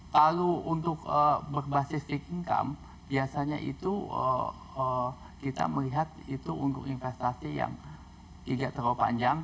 kalau untuk berbasis pick income biasanya itu kita melihat itu untuk investasi yang tidak terlalu panjang